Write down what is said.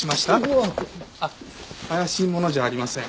うわっ！あっ怪しい者じゃありません。